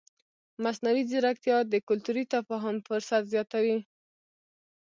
مصنوعي ځیرکتیا د کلتوري تفاهم فرصت زیاتوي.